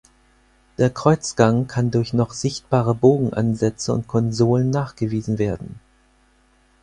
Der Kreuzgang kann durch noch sichtbare Bogenansätze und Konsolen nachgewiesen werden.